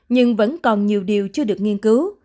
nhưng vẫn còn nhiều điều chưa được nghiên cứu